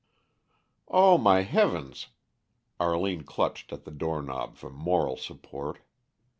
"Oh, my heavens!" Arline clutched at the doorknob for moral support.